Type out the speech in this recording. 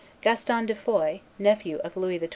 Gaston de Foix, nephew of Louis XII.